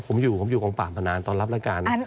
ผมอยู่คองป่ามก็นานตอนรับรัดการ